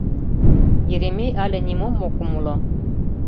— Еремей але нимом ок умыло.